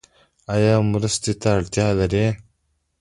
ایا مرستې ته اړتیا لرئ؟